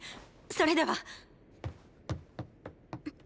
それでは！